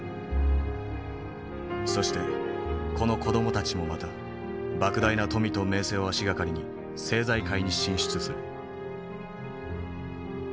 そしてこの子どもたちもまた莫大な富と名声を足掛かりに政財界に進出する。